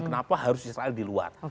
kenapa harus israel di luar